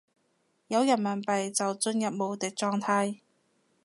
有人民幣就進入無敵狀態